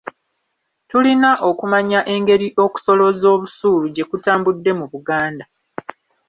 Tulina okumanya engeri okusolooza obusuulu gye kutambudde mu Buganda.